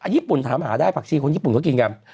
ญี่ปุ่นถามหาได้ผักชีคนญี่ปุ่นก็กินกัน